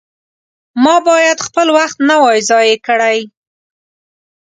ما باید خپل وخت نه وای ضایع کړی.